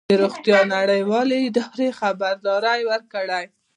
د روغتیا نړیوالې ادارې خبرداری ورکړی